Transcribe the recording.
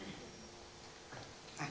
apakah satu hal yang bisa dikonsumsiin oleh bumt